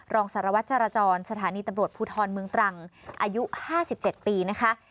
รองสารวัตรจรจรสถานีตำรวจภูทรเมืองตรังอายุ๕๗ปีนะคะ